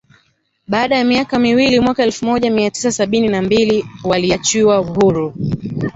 Baada ya miaka miwili mwaka elfu moja mia tisa sabini na mbili waliachiwa huru